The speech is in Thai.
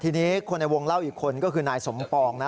ทีนี้คนในวงเล่าอีกคนก็คือนายสมปองนะ